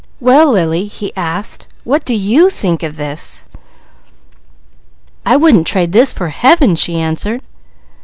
"Well Lily," he asked, "what do you think of this?" "I wouldn't trade this for Heaven!" she answered.